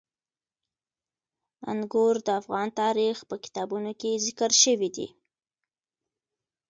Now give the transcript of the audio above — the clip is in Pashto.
انګور د افغان تاریخ په کتابونو کې ذکر شوی دي.